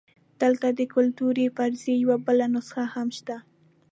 دلته د کلتوري فرضیې یوه بله نسخه هم شته.